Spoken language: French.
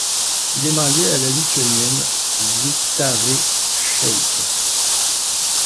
Il est marié à la Lituanienne Gintarė Scheidt.